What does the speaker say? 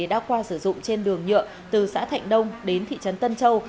đã qua sử dụng trên đường nhựa từ xã thạnh đông đến thị trấn tân châu